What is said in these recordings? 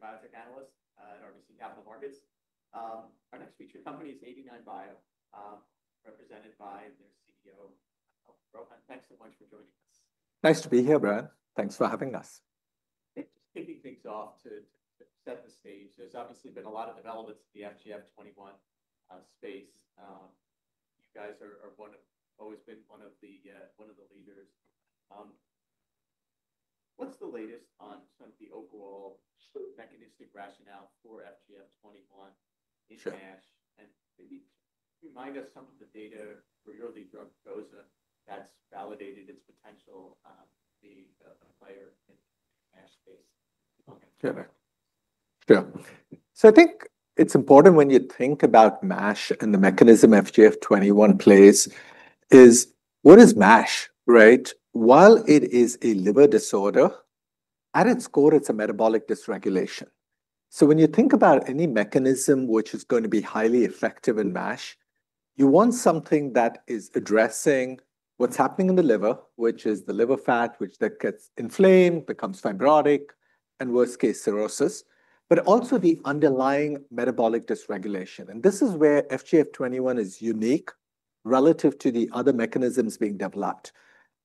Brian Abrams, Senior Biotech Analyst at RBC Capital Markets. Our next featured company is 89bio, represented by their CEO, Rohan. Thanks so much for joining us. Nice to be here, Brian. Thanks for having us. Thank you. Kicking things off to set the stage, there's obviously been a lot of developments in the FGF21 space. You guys have always been one of the leaders. What's the latest on some of the overall mechanistic rationale for FGF21 in MASH? Maybe remind us some of the data for early drug dosing that's validated its potential to be a player in the MASH space. Yeah. I think it's important when you think about MASH and the mechanism FGF21 plays is, what is MASH, right? While it is a liver disorder, at its core, it's a metabolic dysregulation. When you think about any mechanism which is going to be highly effective in MASH, you want something that is addressing what's happening in the liver, which is the liver fat, which gets inflamed, becomes fibrotic, and worst case, cirrhosis, but also the underlying metabolic dysregulation. This is where FGF21 is unique relative to the other mechanisms being developed.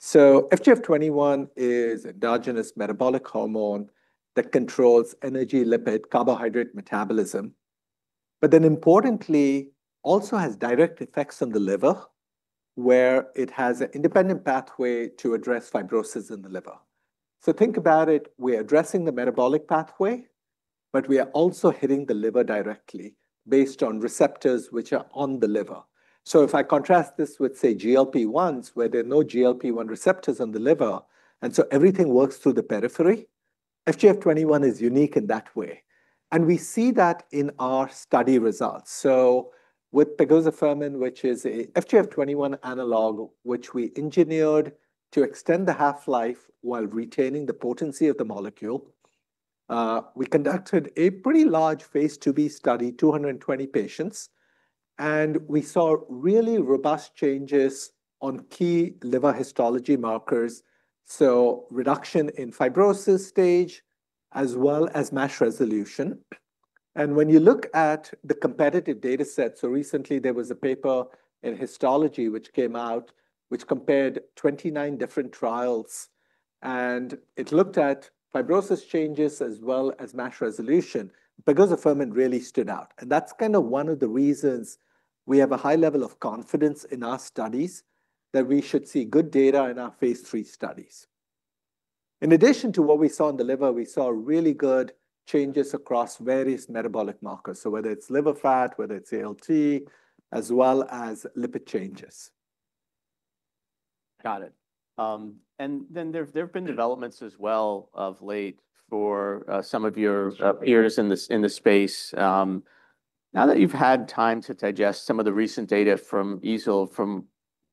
FGF21 is an endogenous metabolic hormone that controls energy, lipid, carbohydrate metabolism, but then importantly, also has direct effects on the liver, where it has an independent pathway to address fibrosis in the liver. Think about it, we're addressing the metabolic pathway, but we are also hitting the liver directly based on receptors which are on the liver. If I contrast this with, say, GLP-1s, where there are no GLP-1 receptors in the liver, and so everything works through the periphery, FGF21 is unique in that way. We see that in our study results. With pegozafermin, which is an FGF21 analog, which we engineered to extend the half-life while retaining the potency of the molecule, we conducted a pretty large phase IIB study, 220 patients, and we saw really robust changes on key liver histology markers, so reduction in fibrosis stage, as well as MASH resolution. When you look at the competitive data set, recently there was a paper in histology which came out, which compared 29 different trials, and it looked at fibrosis changes as well as MASH resolution. Pegozafermin really stood out. That is kind of one of the reasons we have a high level of confidence in our studies that we should see good data in our phase III studies. In addition to what we saw in the liver, we saw really good changes across various metabolic markers, so whether it is liver fat, whether it is ALT, as well as lipid changes. Got it. There have been developments as well of late for some of your peers in the space. Now that you've had time to digest some of the recent data from AASLD, from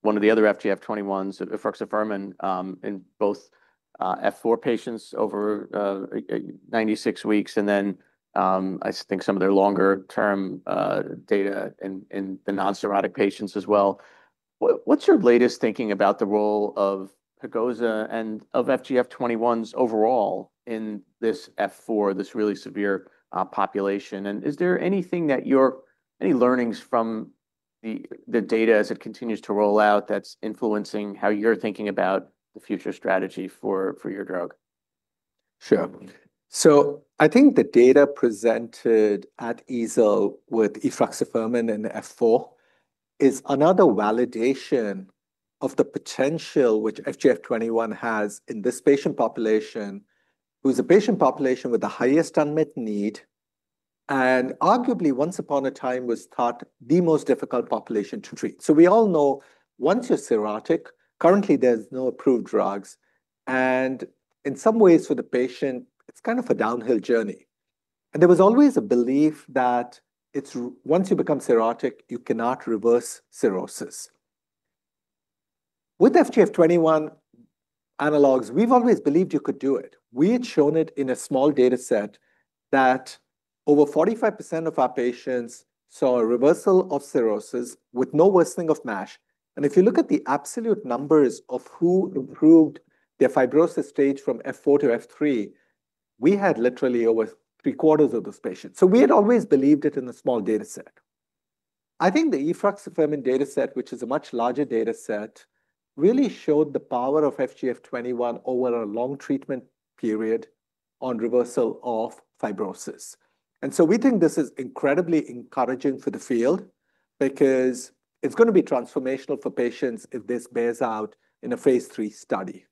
one of the other FGF21s, efruxifermin, in both F4 patients over 96 weeks, and then I think some of their longer-term data in the non-cirrhotic patients as well. What's your latest thinking about the role of pegozafermin and of FGF21s overall in this F4, this really severe population? Is there anything that you're, any learnings from the data as it continues to roll out that's influencing how you're thinking about the future strategy for your drug? Sure. I think the data presented at AASLD with efruxifermin in F4 is another validation of the potential which FGF21 has in this patient population, who's a patient population with the highest unmet need, and arguably once upon a time was thought the most difficult population to treat. We all know once you're cirrhotic, currently there's no approved drugs. In some ways for the patient, it's kind of a downhill journey. There was always a belief that once you become cirrhotic, you cannot reverse cirrhosis. With FGF21 analogs, we've always believed you could do it. We had shown it in a small data set that over 45% of our patients saw a reversal of cirrhosis with no worsening of MASH. If you look at the absolute numbers of who improved their fibrosis stage from F4 to F3, we had literally over three quarters of those patients. We had always believed it in the small data set. I think the efruxifermin data set, which is a much larger data set, really showed the power of FGF21 over a long treatment period on reversal of fibrosis. We think this is incredibly encouraging for the field because it is going to be transformational for patients if this bears out in a phase III study.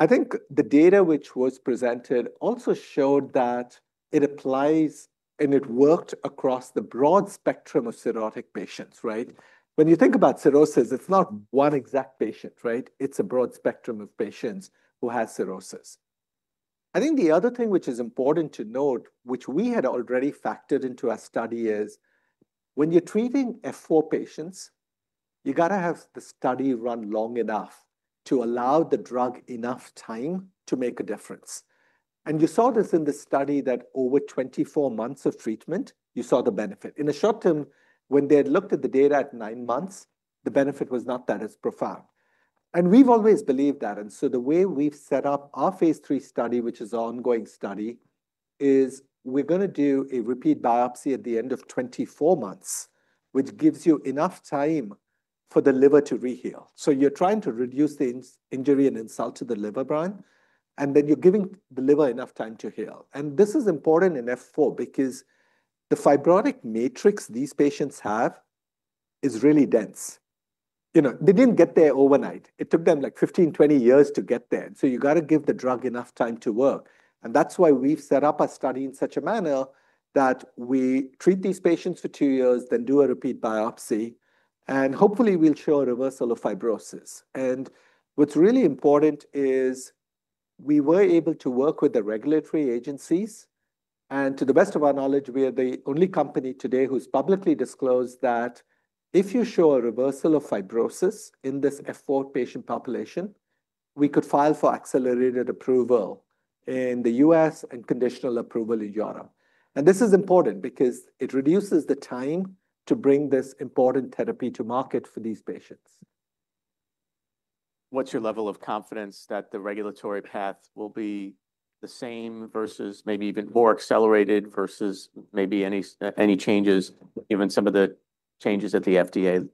I think the data which was presented also showed that it applies and it worked across the broad spectrum of cirrhotic patients, right? When you think about cirrhosis, it is not one exact patient, right? It is a broad spectrum of patients who have cirrhosis. I think the other thing which is important to note, which we had already factored into our study, is when you're treating F4 patients, you got to have the study run long enough to allow the drug enough time to make a difference. You saw this in the study that over 24 months of treatment, you saw the benefit. In the short term, when they had looked at the data at nine months, the benefit was not that as profound. We've always believed that. The way we've set up our phase III study, which is an ongoing study, is we're going to do a repeat biopsy at the end of 24 months, which gives you enough time for the liver to reheal. You're trying to reduce the injury and insult to the liver brand, and then you're giving the liver enough time to heal. This is important in F4 because the fibrotic matrix these patients have is really dense. They did not get there overnight. It took them like 15-20 years to get there. You have to give the drug enough time to work. That is why we have set up our study in such a manner that we treat these patients for two years, then do a repeat biopsy, and hopefully we will show a reversal of fibrosis. What is really important is we were able to work with the regulatory agencies. To the best of our knowledge, we are the only company today who has publicly disclosed that if you show a reversal of fibrosis in this F4 patient population, we could file for accelerated approval in the U.S. and conditional approval in Europe. This is important because it reduces the time to bring this important therapy to market for these patients. What's your level of confidence that the regulatory path will be the same versus maybe even more accelerated versus maybe any changes, given some of the changes at the FDA?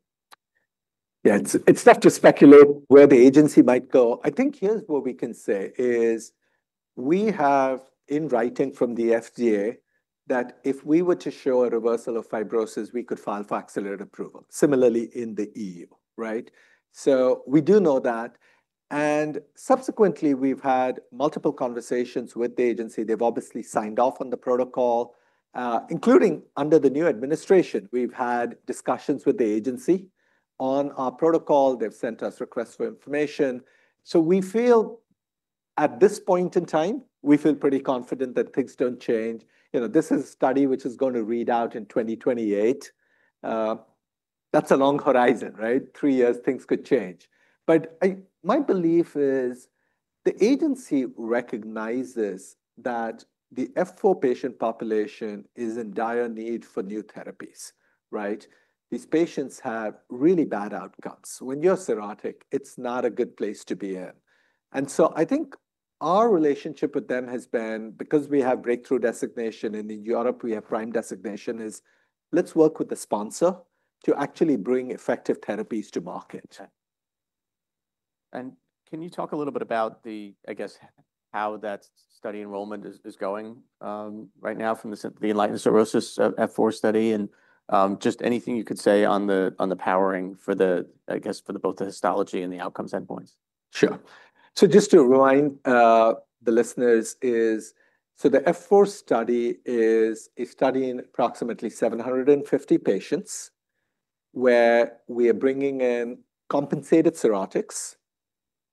Yeah, it's tough to speculate where the agency might go. I think here's what we can say is we have in writing from the FDA that if we were to show a reversal of fibrosis, we could file for accelerated approval, similarly in the EU, right? We do know that. Subsequently, we've had multiple conversations with the agency. They've obviously signed off on the protocol, including under the new administration. We've had discussions with the agency on our protocol. They've sent us requests for information. We feel at this point in time, we feel pretty confident that things don't change. This is a study which is going to read out in 2028. That's a long horizon, right? Three years, things could change. My belief is the agency recognizes that the F4 patient population is in dire need for new therapies, right? These patients have really bad outcomes. When you're cirrhotic, it's not a good place to be in. I think our relationship with them has been, because we have breakthrough designation in Europe, we have PRIME designation, is let's work with the sponsor to actually bring effective therapies to market. Can you talk a little bit about the, I guess, how that study enrollment is going right now from the ENLIGHTENED Cirrhosis F4 study and just anything you could say on the powering for the, I guess, for both the histology and the outcomes endpoints? Sure. Just to remind the listeners, the F4 study is a study in approximately 750 patients where we are bringing in compensated cirrhotics,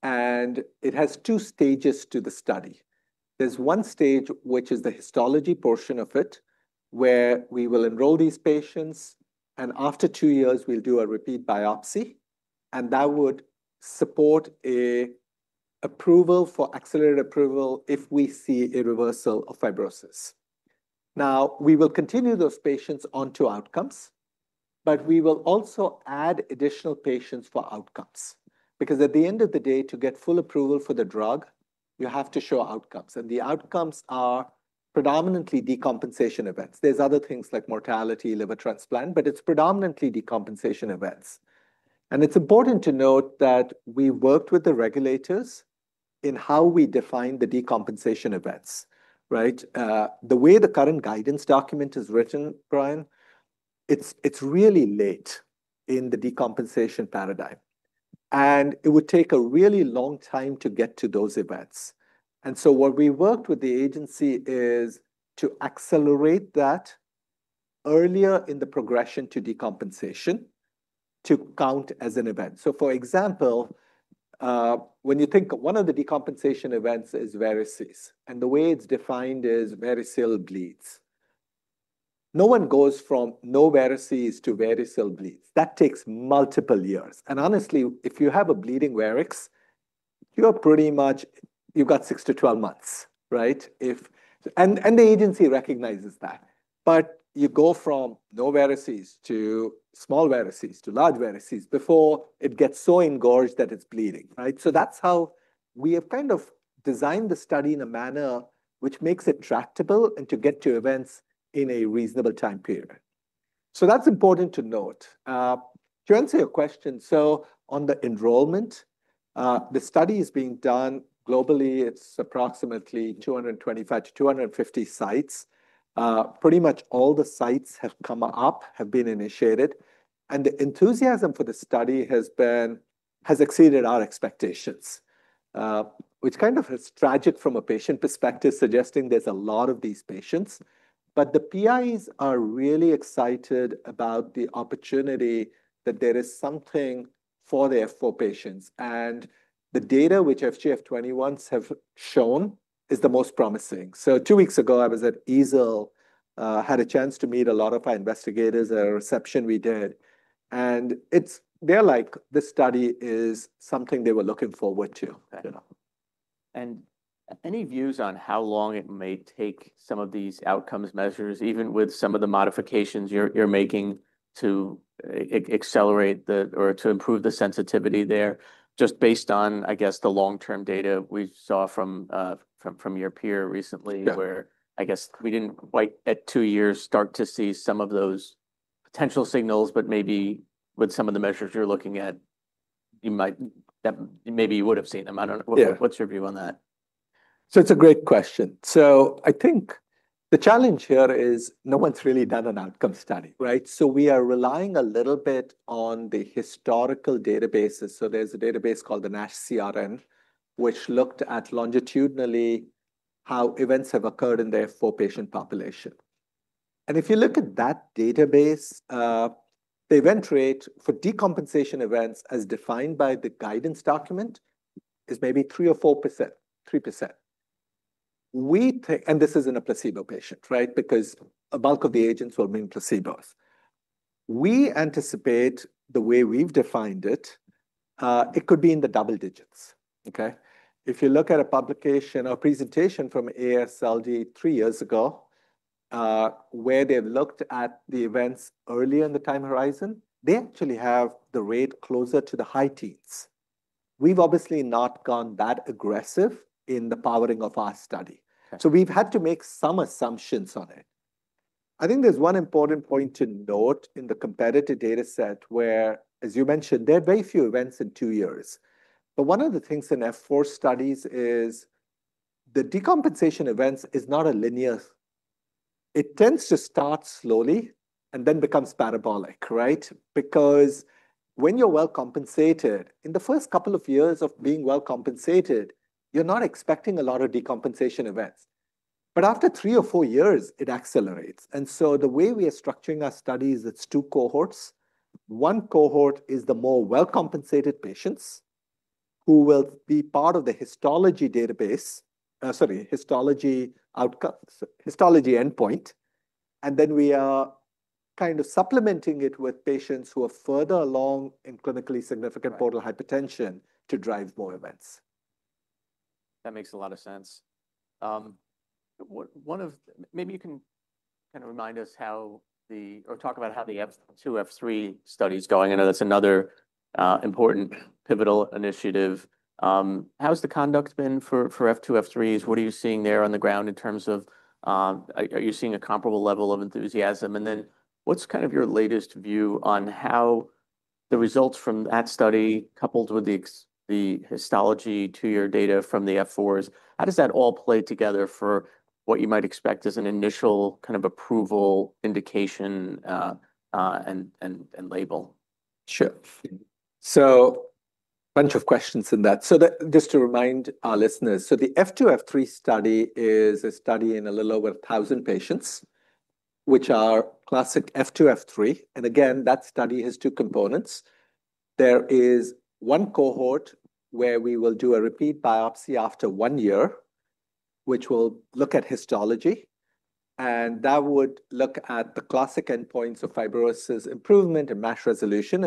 and it has two stages to the study. There is one stage, which is the histology portion of it, where we will enroll these patients, and after two years, we will do a repeat biopsy, and that would support an approval for accelerated approval if we see a reversal of fibrosis. We will continue those patients onto outcomes, but we will also add additional patients for outcomes because at the end of the day, to get full approval for the drug, you have to show outcomes. The outcomes are predominantly decompensation events. There are other things like mortality, liver transplant, but it is predominantly decompensation events. It is important to note that we worked with the regulators in how we define the decompensation events, right? The way the current guidance document is written, Brian, it's really late in the decompensation paradigm, and it would take a really long time to get to those events. What we worked with the agency is to accelerate that earlier in the progression to decompensation to count as an event. For example, when you think one of the decompensation events is varices, and the way it's defined is variceal bleeds. No one goes from no varices to variceal bleeds. That takes multiple years. Honestly, if you have a bleeding varix, you've got 6 to 12 months, right? The agency recognizes that. You go from no varices to small varices to large varices before it gets so engorged that it's bleeding, right? That's how we have kind of designed the study in a manner which makes it tractable and to get to events in a reasonable time period. That's important to note. To answer your question, on the enrollment, the study is being done globally. It's approximately 225-250 sites. Pretty much all the sites have come up, have been initiated, and the enthusiasm for the study has exceeded our expectations, which kind of is tragic from a patient perspective, suggesting there's a lot of these patients. The PIs are really excited about the opportunity that there is something for the F4 patients. The data which FGF21s have shown is the most promising. Two weeks ago, I was at ESAL, had a chance to meet a lot of our investigators at a reception we did. This study is something they were looking forward to. Any views on how long it may take some of these outcomes measures, even with some of the modifications you're making to accelerate or to improve the sensitivity there, just based on, I guess, the long-term data we saw from your peer recently, where I guess we didn't quite at two years start to see some of those potential signals, but maybe with some of the measures you're looking at, maybe you would have seen them. I don't know. What's your view on that? It's a great question. I think the challenge here is no one's really done an outcome study, right? We are relying a little bit on the historical databases. There's a database called the NASH CRN, which looked at longitudinally how events have occurred in the F4 patient population. If you look at that database, the event rate for decompensation events as defined by the guidance document is maybe 3% or 4%, 3%. This is in a placebo patient, right? Because a bulk of the agents were being placebos. We anticipate the way we've defined it, it could be in the double digits, okay? If you look at a publication or presentation from AASLD three years ago where they've looked at the events earlier in the time horizon, they actually have the rate closer to the high teens. We've obviously not gone that aggressive in the powering of our study. So we've had to make some assumptions on it. I think there's one important point to note in the competitive data set where, as you mentioned, there are very few events in two years. One of the things in F4 studies is the decompensation events is not linear. It tends to start slowly and then becomes parabolic, right? Because when you're well compensated, in the first couple of years of being well compensated, you're not expecting a lot of decompensation events. After three or four years, it accelerates. The way we are structuring our study is it's two cohorts. One cohort is the more well compensated patients who will be part of the histology database, sorry, histology outcome, histology endpoint. We are kind of supplementing it with patients who are further along in clinically significant portal hypertension to drive more events. That makes a lot of sense. Maybe you can kind of remind us how the or talk about how the F2, F3 study is going. I know that's another important pivotal initiative. How's the conduct been for F2, F3s? What are you seeing there on the ground in terms of are you seeing a comparable level of enthusiasm? What's kind of your latest view on how the results from that study coupled with the histology two-year data from the F4s, how does that all play together for what you might expect as an initial kind of approval indication and label? Sure. A bunch of questions in that. Just to remind our listeners, the F2, F3 study is a study in a little over 1,000 patients, which are classic F2, F3. That study has two components. There is one cohort where we will do a repeat biopsy after one year, which will look at histology. That would look at the classic endpoints of fibrosis improvement and MASH resolution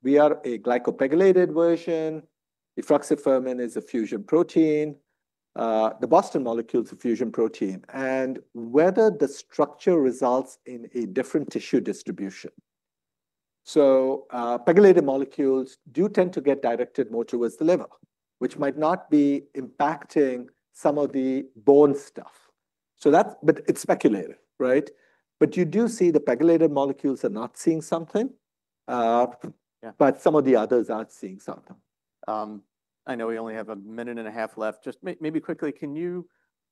and if that will. We are a glycoPEGylated version. The efruxifermin is a fusion protein. The Boston molecule is a fusion protein. Whether the structure results in a different tissue distribution. PEGylated molecules do tend to get directed more towards the liver, which might not be impacting some of the bone stuff. That is, but it is speculative, right? You do see the PEGylated molecules are not seeing something, but some of the others aren't seeing something. I know we only have a minute and a half left. Just maybe quickly, can you,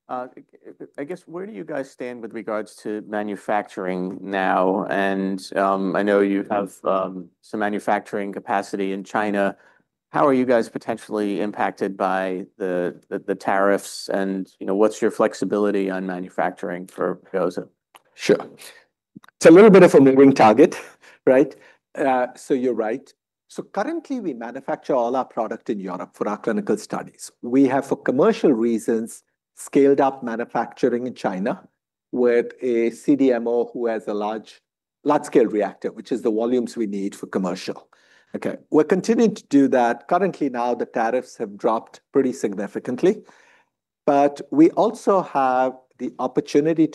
I guess, where do you guys stand with regards to manufacturing now? I know you have some manufacturing capacity in China. How are you guys potentially impacted by the tariffs? What's your flexibility on manufacturing for Rohan? Sure. It's a little bit of a moving target, right? You're right. Currently, we manufacture all our product in Europe for our clinical studies. We have, for commercial reasons, scaled up manufacturing in China with a CDMO who has a large scale reactor, which is the volumes we need for commercial. We're continuing to do that. Currently now, the tariffs have dropped pretty significantly. We also have the opportunity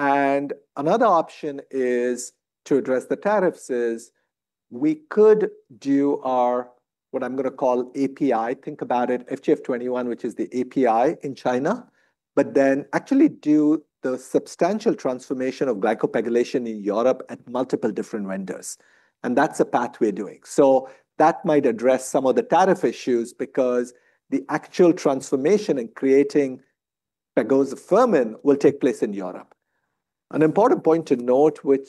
to go back to our European vendor to scale up manufacturing there. Another option to address the tariffs is we could do our, what I'm going to call, API. Think about it. FGF21, which is the API in China, but then actually do the substantial transformation of glycopegylation in Europe at multiple different vendors. That's a path we're doing. That might address some of the tariff issues because the actual transformation in creating pegozafermin will take place in Europe. An important point to note, which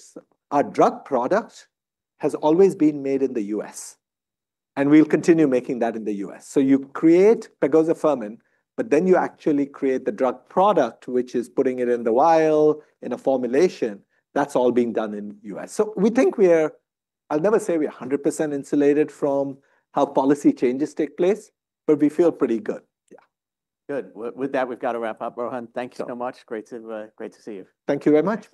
our drug product has always been made in the US. And we will continue making that in the US. You create pegozafermin, but then you actually create the drug product, which is putting it in the vial in a formulation. That is all being done in the US. We think we are, I will never say we are 100% insulated from how policy changes take place, but we feel pretty good. Yeah. Good. With that, we've got to wrap up. Rohan, thanks so much. Great to see you. Thank you very much.